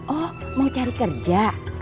oh mau cari kerja